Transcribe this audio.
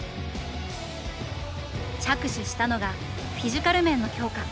着手したのがフィジカル面の強化